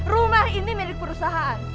rumah ini milik perusahaan